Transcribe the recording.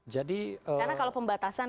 jadi karena kalau pembatasan